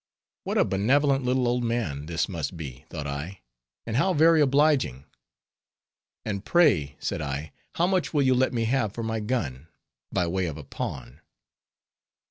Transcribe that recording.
What a benevolent little old man, this must be, thought I, and how very obliging. "And pray," said I, "how much will you let me have for my gun, by way of a pawn?"